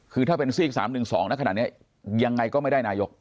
คือถ้าเป็นซีก๓๑๒นะขนาดนี้ยังไงก็ไม่ได้นายก